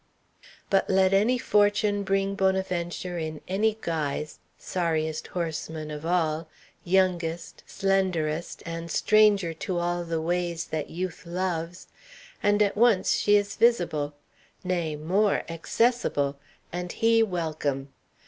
But let any fortune bring Bonaventure in any guise sorriest horseman of all, youngest, slenderest, and stranger to all the ways that youth loves and at once she is visible; nay, more, accessible; and he, welcome.